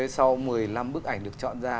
sau một mươi năm bức ảnh được chọn ra